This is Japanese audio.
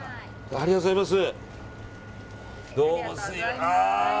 ありがとうございます。